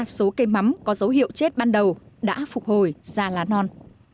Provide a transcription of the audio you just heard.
trong lúc đó số cây mắm có dấu hiệu chết ban đầu đã phục hồi ra lá non